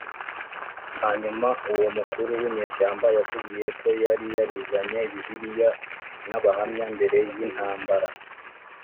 Hanyuma uwo mukuru w inyeshyamba yatubwiye ko yari yariganye Bibiliya n Abahamya mbere y intambara